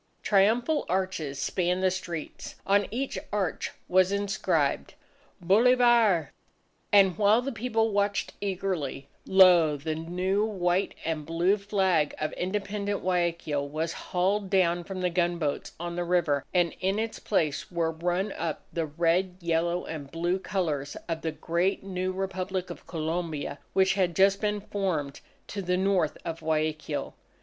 Triumphal arches spanned the streets. On each arch was inscribed: BOLIVAR! And while the people watched eagerly, lo, the new white and blue flag of independent Guayaquil was hauled down from the gunboats on the river, and in its place were run up the red, yellow, and blue colours of the great new Republic of Colombia, which had just been formed to the North of Guayaquil.